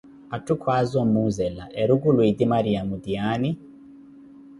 Atthu kwaaza o muzela, erukulu eti Mariyamo tiaani ?